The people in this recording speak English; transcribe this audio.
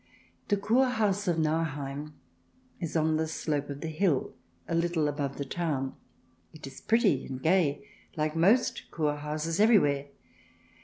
The Kur Haus of Nauheim is on the slope of the hill, a little above the town. It is pretty and gay, like most Kur houses everywhere.